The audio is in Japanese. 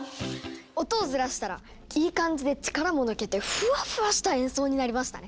音をずらしたらいい感じで力も抜けてフワフワした演奏になりましたね。